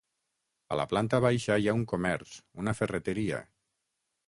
A la planta baixa hi ha un comerç, una ferreteria.